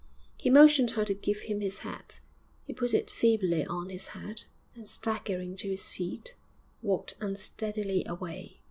He motioned her to give him his hat; he put it feebly on his head and, staggering to his feet, walked unsteadily away.